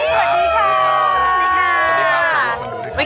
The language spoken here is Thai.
สวัสดีค่ะ